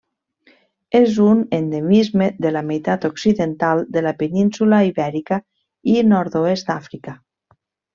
És un endemisme de la meitat occidental de la península Ibèrica i nord-oest d'Àfrica.